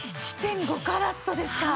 １．５カラットですか！